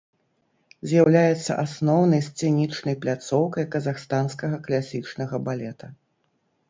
З'яўляецца асноўнай сцэнічнай пляцоўкай казахстанскага класічнага балета.